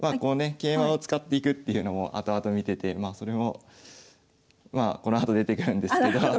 桂馬を使っていくっていうのもあとあと見ててそれもまあこのあと出てくるんですけど。